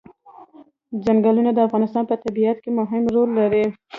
چنګلونه د افغانستان په طبیعت کې مهم رول لري.